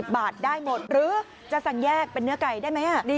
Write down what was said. บาทได้หมดหรือจะสั่งแยกเป็นเนื้อไก่ได้ไหม